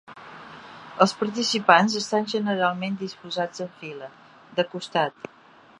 Els participants estan generalment disposats en fila, de costat.